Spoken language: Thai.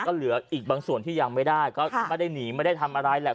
ก็เหลืออีกบางส่วนที่ยังไม่ได้ก็ไม่ได้หนีไม่ได้ทำอะไรแหละ